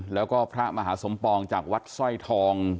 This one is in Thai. แล้วก็พระมหาสมปองจากวัดสร้อยทอง